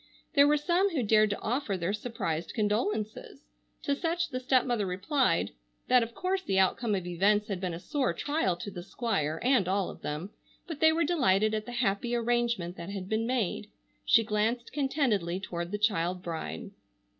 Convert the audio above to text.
There were some who dared to offer their surprised condolences. To such the stepmother replied that of course the outcome of events had been a sore trial to the Squire, and all of them, but they were delighted at the happy arrangement that had been made. She glanced contentedly toward the child bride.